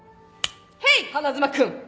ヘイ花妻君！